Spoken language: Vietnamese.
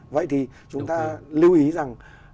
vậy thì chúng ta lưu ý rằng